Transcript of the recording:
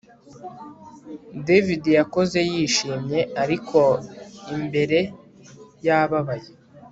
David yakoze yishimye ariko imbere yababaye